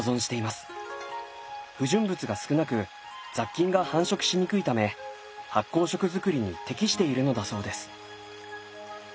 不純物が少なく雑菌が繁殖しにくいため発酵食づくりに適しているのだそうです。